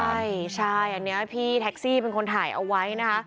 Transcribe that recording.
ใช่ใช่อันนี้พี่แท็กซี่เป็นคนถ่ายเอาไว้นะคะ